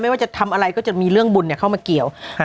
ว่าจะทำอะไรก็จะมีเรื่องบุญเข้ามาเกี่ยว